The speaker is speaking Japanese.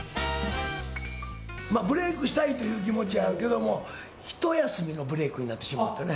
ブレークしたいという気持ちはあるけれども、一休みのブレークになってしまってね。